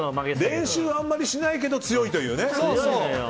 練習はあまりしないけど強いというね。